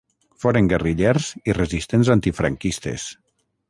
Foren guerrillers i resistents antifranquistes.